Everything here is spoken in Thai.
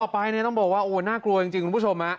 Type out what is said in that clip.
ต่อไปเนี่ยต้องบอกว่าโอ๊ยน่ากลัวจริงจริงคุณผู้ชมน่ะ